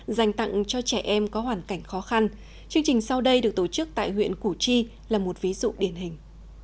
dành tặng cho trẻ em có hoàn cảnh khó khăn chương trình sau đây được tổ chức tại huyện củ chi là một ví dụ điển hình